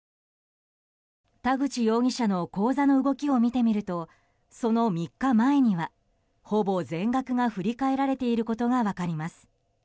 田口容疑者の口座の動きを見てみるとその３日前にはほぼ全額が振り替えられていることが分かります。